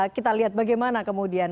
kita lihat bagaimana kemudian